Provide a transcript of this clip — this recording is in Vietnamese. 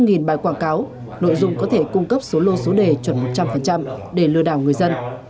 nghìn bài quảng cáo nội dung có thể cung cấp số lô số đề chuẩn một trăm linh để lừa đảo người dân